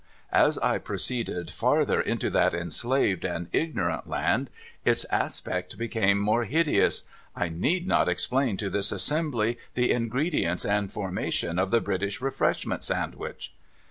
As I proceeded farther into that enslaved and ignorant land, its aspect became more hideous. I need not explain to this assembly the ingredients and formation of the British Refreshment sangwich